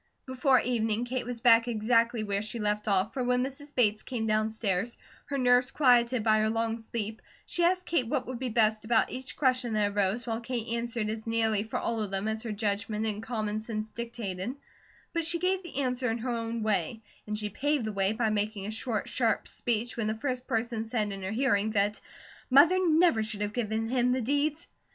Before evening Kate was back exactly where she left off, for when Mrs. Bates came downstairs, her nerves quieted by her long sleep, she asked Kate what would be best about each question that arose, while Kate answered as nearly for all of them as her judgment and common sense dictated; but she gave the answer in her own way, and she paved the way by making a short, sharp speech when the first person said in her hearing that "Mother never should have given him the deeds."